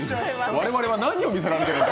我々は何を見せられているんだ。